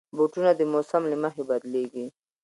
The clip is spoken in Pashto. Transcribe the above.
بوټونه د موسم له مخې بدلېږي.